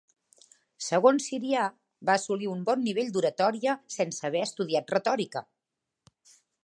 Segons Sirià va assolir un bon nivell d'oratòria sense haver estudiat retòrica.